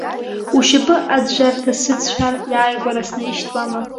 Ушьапы аӡәӡәарҭа сыҭ сҳәар иааигәара снаишьҭуама.